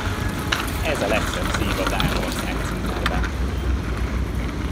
Ez a legszebb szív a dán országcímerben!